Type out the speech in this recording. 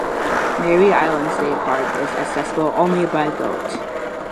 Mary Island State Park is accessible only by boat.